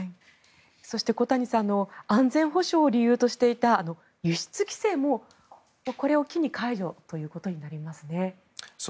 そして小谷さん安全保障を理由としていた輸出規制も、これを機に解除ということになりますね。